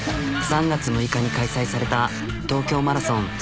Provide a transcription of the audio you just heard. ３月６日に開催された東京マラソン。